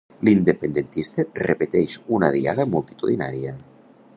L'independentisme repeteix una Diada multitudinària